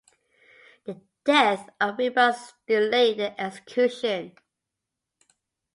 The death of Ribas delayed the execution.